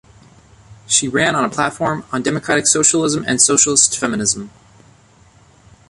She ran on a platform on democratic socialism and socialist feminism.